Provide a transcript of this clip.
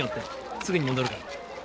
すぐに戻るから。